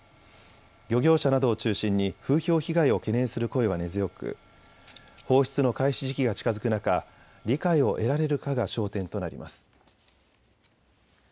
漁業者などを中心に風評被害を懸念する声は根強く放出の開始時期が近づく中理解を得られるかが焦点となります。